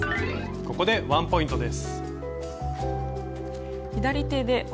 ここでワンポイントです。